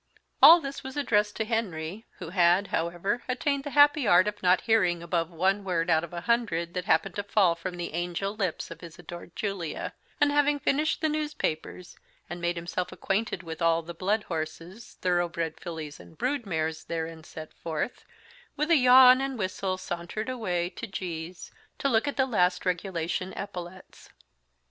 All this was addressed to Henry, who had, however, attained the happy art of not hearing above one word out of a hundred that happened to fall from the angel lips of his adored Julia; and, having finished the newspapers, and made himself acquainted with all the blood horses, thoroughbred fillies, and brood mares therein set forth, with a yawn and whistle sauntered away to G 's, to look at the last regulation epaulettes.